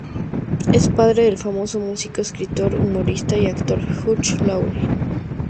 Es padre del famoso músico, escritor, humorista y actor Hugh Laurie.